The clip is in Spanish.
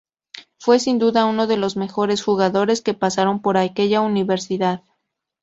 Fue sin duda uno de los mejores jugadores que pasaron por aquella universidad.